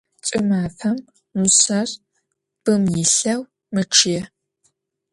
Кӏымафэм мышъэр бым илъэу мэчъые.